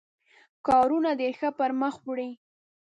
کارونه ډېر ښه پر مخ وړي.